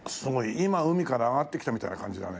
今海から揚がってきたみたいな感じだね。